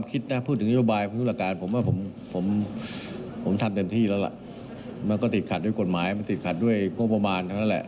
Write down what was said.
มันก็ติดขัดด้วยกฎหมายมันติดขัดด้วยกรมบาลทั้งนั้นแหละ